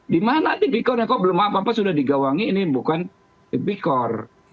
di mana tipikornya kok belum apa apa sudah digawangi ini bukan tipikor